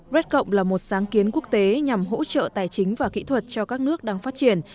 red cộng là một sáng kiến quốc tế nhằm hỗ trợ tài chính và kỹ thuật cho các nước đang phát triển